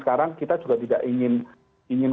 sekarang kita juga tidak ingin